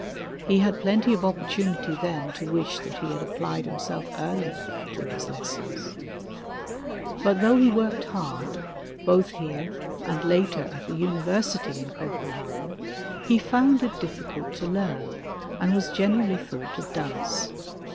He had plenty of opportunity then to wish that he had applied himself earlier to his lessons. But though he worked hard, both here and later at the University in Copenhagen, he found it difficult to learn, and was generally thought a dunce.